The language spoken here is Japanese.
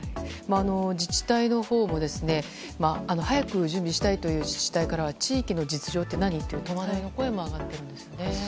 自治体のほうも早く準備したいという自治体からは地域の実情って何？という戸惑いの声も上がっているんです。